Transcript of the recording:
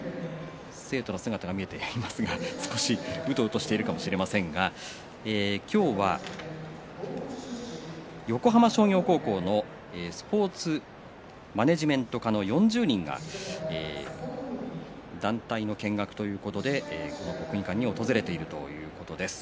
学生服の生徒の姿が見えていますが少し、うとうとしているかもしれませんが今日は横浜商業高校のスポーツマネージメント科の４０人が団体の見学ということで国技館に訪れているということです。